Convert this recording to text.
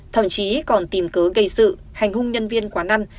thậm chí còn tìm cớ gây sự hành hung nhân viên quán ăn